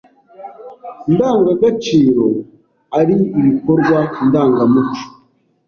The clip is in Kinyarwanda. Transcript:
ndangagaciro ari ibikorwa ndangamuco